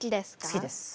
好きです！